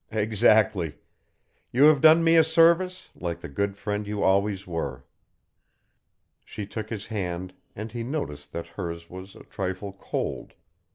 "Exactly. You have done me a service like the good old friend you always were." She took his hand, and he noticed that hers was a trifle cold.